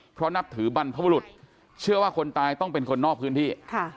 เพราะนับถือบรรพบุรุษเชื่อว่าคนตายต้องเป็นคนนอกพื้นที่